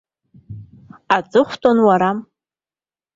Аҵыхәтәан уара.